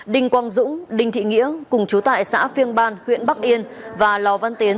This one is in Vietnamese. đinh quang dũng đinh thị nghĩa cùng chú tại xã phiêng ban huyện bắc yên và lò văn tiến